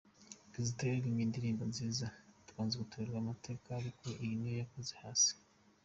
Kizito yaririmbye indirimbo nziza nka Twanze gutoberwa amateka ariko iyi yo yakoze hasi.